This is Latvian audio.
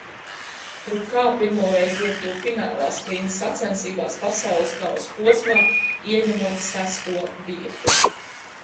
Rukā pirmoreiz iekļuva finālā sprinta sacensībās Pasaules kausa posmā, ieņemot sesto vietu.